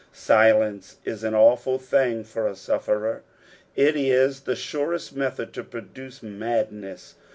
SiloDce is an awful thing for a sufferer, it is the surest method to produce mad neae.